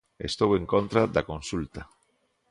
Estou en contra da consulta.